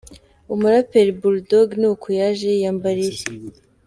Umuraperi Bull Dogg ni uku yaje yiyambariye.